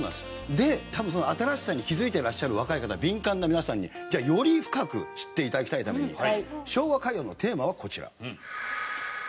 でその新しさに気づいてらっしゃる若い方敏感な皆さんにじゃあより深く知って頂きたいために昭和歌謡のテーマはこちら。